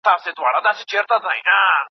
ماشوم په ډېرې مېړانې سره خپل سر پورته کړ.